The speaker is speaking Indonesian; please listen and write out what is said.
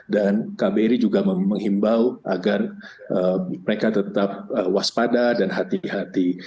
dan kbri juga menghimbau agar mereka tetap waspada dan hati hati